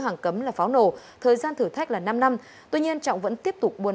hàng cấm là pháo nổ thời gian thử thách là năm năm tuy nhiên trọng vẫn tiếp tục buôn